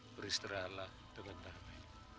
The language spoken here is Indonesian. beristirahatlah dengan damai